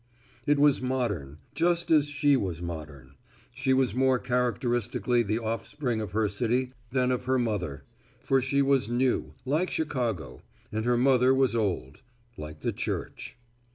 It was modern, just as she was modern. She was more characteristically the offspring of her city than of her mother. For she was new, like Chicago; and her mother was old, like the Church.